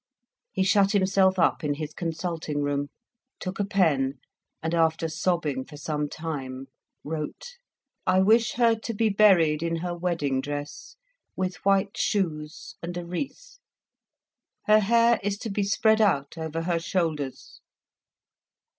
He shut himself up in his consulting room, took a pen, and after sobbing for some time, wrote "I wish her to be buried in her wedding dress, with white shoes, and a wreath. Her hair is to be spread out over her shoulders.